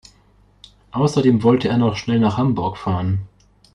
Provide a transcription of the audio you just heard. Außerdem wollte er noch schnell nach Hamburg fahren